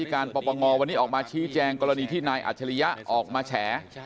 การปปงวันนี้ออกมาชี้แจงกรณีที่นายอัจฉริยะออกมาแฉ